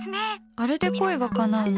あれで恋がかなうの？